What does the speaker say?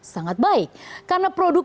sangat baik karena produk